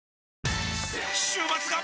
週末が！！